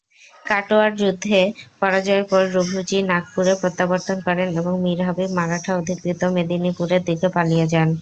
কাটোয়ার যুদ্ধে পরাজয়ের পর রঘুজী নাগপুরে প্রত্যাবর্তন করেন এবং মীর হাবিব মারাঠা-অধিকৃত মেদিনীপুরের দিকে পালিয়ে যান।